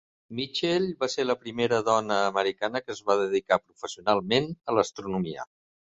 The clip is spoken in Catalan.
Mitchell va ser la primera dona americana que es va dedicar professionalment a l'astronomia.